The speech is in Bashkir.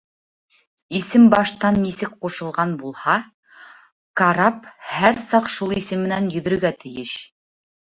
Исем баштан нисек ҡушылған булһа, карап һәр саҡ шул исем менән йөҙөргә тейеш.